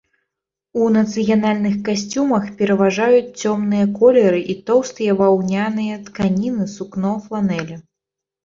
У нацыянальных касцюмах пераважаюць цёмныя колеры і тоўстыя ваўняныя тканіны, сукно, фланелі.